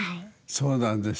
そうなんですか。